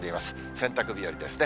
洗濯日和ですね。